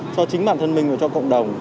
cho chính bản thân mình và cho cộng đồng